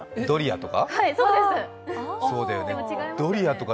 ドリアとか？